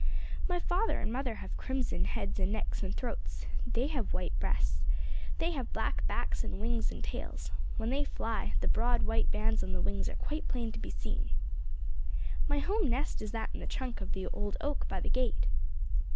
"My father and mother have crimson heads and necks and throats. They have white breasts. They have black backs and wings and tails. When they fly, the broad white bands on the wings are quite plain to be seen. "My home nest is that in the trunk of the old oak by the gate."